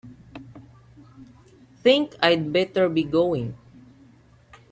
Think I'd better be going.